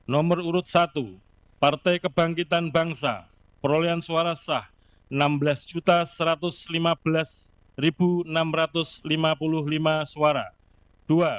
nomor urut satu partai kebangkitan bangsa perolehan suara sah rp enam belas satu ratus lima belas enam ratus lima puluh lima suara